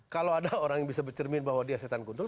kalau ada orang yang bisa bercermin bahwa dia setan gundul